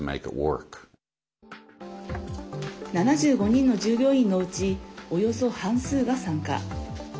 ７５人の従業員のうちおよそ半数が参加。